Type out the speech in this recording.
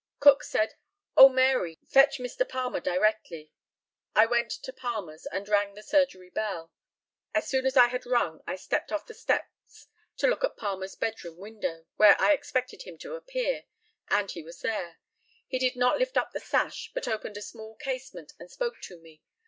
Cook said, "Oh, Mary, fetch Mr. Palmer directly." I went to Palmer's, and rang the surgery bell. As soon as I had rung I stepped off the steps to look at Palmer's bed room window, where I expected him to appear, and he was there. He did not lift up the sash, but opened a small casement and spoke to me.